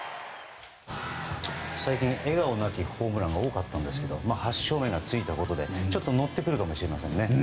最近、笑顔なきホームランが多かったんですが８勝目がついたことでちょっと乗ってくるかもしれませんね。